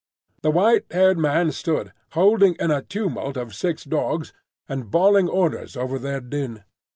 The white haired man stood, holding in a tumult of six dogs, and bawling orders over their din.